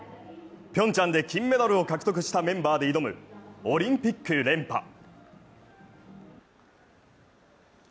ピョンチャンで金メダルを獲得したメンバーで挑むオリンピック連覇。